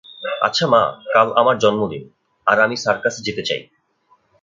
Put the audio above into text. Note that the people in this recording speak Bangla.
আচ্ছা মা, কাল আমার জন্মদিন, আর আমি সার্কাসে যেতে চাই।